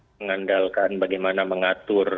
mengandalkan bagaimana mengatur